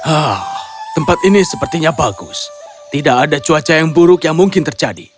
ah tempat ini sepertinya bagus tidak ada cuaca yang buruk yang mungkin terjadi